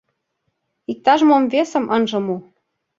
Иктаж-мом весым ынже му!